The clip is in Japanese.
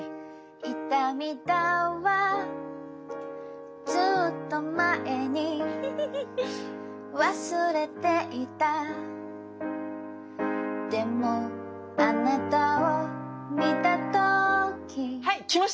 いたみだわずっとまえにわすれていたでもあなたをみたとーきはいきました。